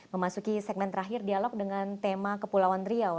memasuki segmen terakhir dialog dengan tema kepulauan riau